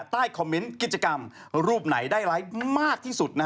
ใต้คอมเมนต์กิจกรรมรูปไหนได้ไลฟ์มากที่สุด